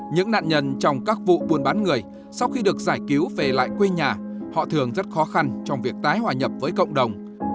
những nạn nhân trong các vụ buôn bán người sau khi được giải cứu về lại quê nhà họ thường rất khó khăn trong việc tái hòa nhập với cộng đồng